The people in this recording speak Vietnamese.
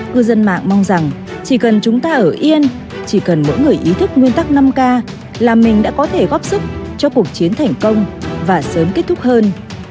cư dân mạng mong rằng chỉ cần chúng ta ở yên chỉ cần mỗi người ý thức nguyên tắc năm k là mình đã có thể góp sức cho cuộc chiến thành công và sớm kết thúc hơn